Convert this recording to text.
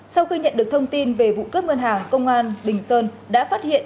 sau khi nhận được thông tin về vụ cướp ngân hàng công an bình sơn đã phát hiện